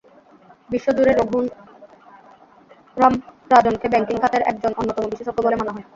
বিশ্বজুড়ে রঘুরাম রাজনকে ব্যাংকিং খাতের একজন অন্যতম বিশেষজ্ঞ বলে মানা হয়।